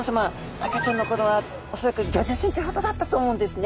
赤ちゃんの頃は恐らく５０ｃｍほどだったと思うんですね。